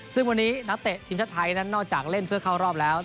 ซึ่งวันนี้นักเตะทีมชาติไทยนั้นนอกจากเล่นเพื่อเข้ารอบแล้ว